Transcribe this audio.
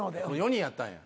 ４人やったんや。